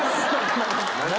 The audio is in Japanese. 何？